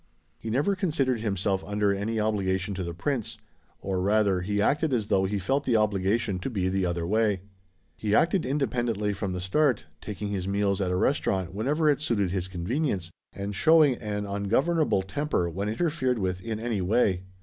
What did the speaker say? He never considered himself under any obligation to the Prince, or rather, he acted as though he felt the obligation to be the other way. He acted independently from the start, taking his meals at a restaurant whenever it suited his convenience, and showing an ungovernable temper when interfered with in any way.